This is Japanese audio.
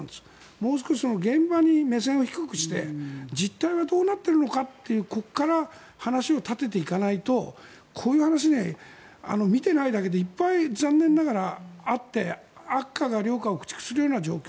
もう少し現場に、目線を低くして実態はどうなっているかっていうここから話を立てていかないとこういう話ね、見てないだけでいっぱい、残念ながらあって悪貨が良貨を駆逐するような状況。